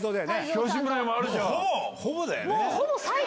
東村山あるじゃん！